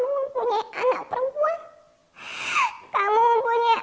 saya juga bilang ke mereka ke bapak bapak itu saya sampaikan kamu tidak bisa menulis fitnah